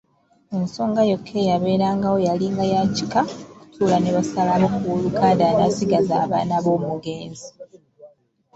Ensonga yokka eyabeerangawo yalinga ya kika kutuula ne basalawo ku wooluganda anaasigaza abaana b’omugenzi.